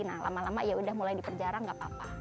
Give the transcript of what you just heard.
nah lama lama ya udah mulai diperjarah gak apa apa